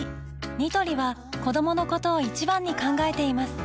ニトリは子どものことを一番に考えています